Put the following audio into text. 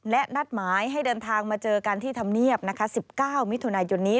และนัดหมายให้เดินทางมาเจอกันที่ธรรมเนียบ๑๙มิถุนายนนี้